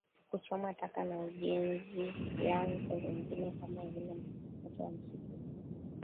kuchoma taka na ujenzi Vyanzo vingine kama vile moto wa misitu na